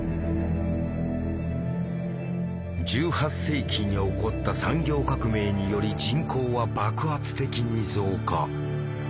１８世紀に起こった産業革命により人口は爆発的に増加。